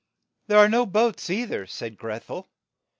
There are no boats, ei ther," said Greth el.